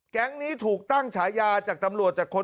แก๊งนี้ถูกตั้งฉายาจากตำรวจจากคน